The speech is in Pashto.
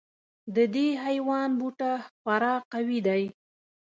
د دې حیوان بوټه خورا قوي دی.